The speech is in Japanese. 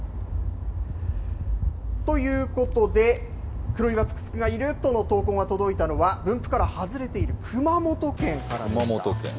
ということで、クロイワツクツクがいるとの投稿が届いたのは、分布から外れている熊本県からでした。